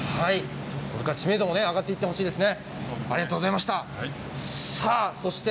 これから知名度も上がっていってほしいですね。